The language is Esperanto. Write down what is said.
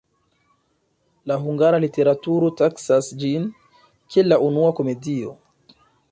La hungara literaturo taksas ĝin, kiel la unua komedio.